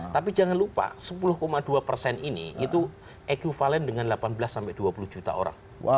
tapi jangan lupa sepuluh dua persen ini itu equivalent dengan delapan belas sampai dua puluh juta orang